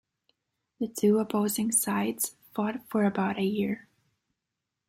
The two opposing sides fought for about a year.